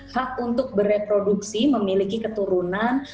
hak untuk bereproduksi memiliki keturunan